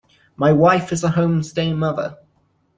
My wife is a home-stay mother.